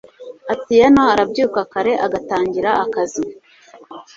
atieno arabyuka kare, agatangira akazi